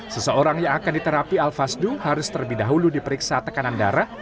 seseorang yang akan diterapi al fasdu harus terlebih dahulu diperiksa tekanan darah